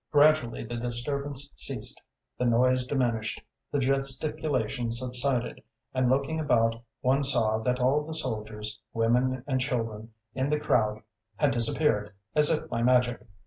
Gradually the disturbance ceased, the noise diminished, the gesticulation subsided; and looking about one saw that all the soldiers, women, and children in the crowd had disappeared as if by magic.